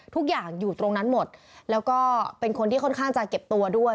ทุกอย่างอยู่ตรงนั้นหมดแล้วก็เป็นคนที่ค่อนข้างจะเก็บตัวด้วย